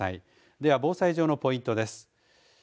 では、防災上のポイントです。